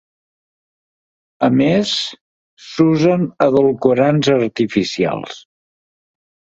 A més, s'usen edulcorants artificials.